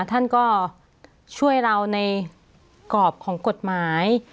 ท่านก็ช่วยเราในกรอบของกฎหมาย